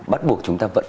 bắt buộc chúng ta vẫn